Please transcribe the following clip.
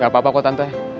gak apa apa kok tante